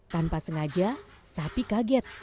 tanpa sengaja sapi kaget